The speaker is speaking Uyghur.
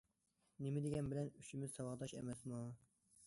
نېمە دېگەن بىلەن ئۈچىمىز ساۋاقداش ئەمەسمۇ.